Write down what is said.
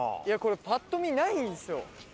いやこれパッと見ないんですよ。